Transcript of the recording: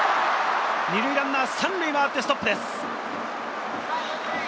２塁ランナー、３塁へ回ってストップです。